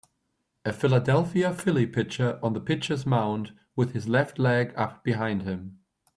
A Philadelphia Phillie pitcher on the pitchers mound with his left leg up behind him.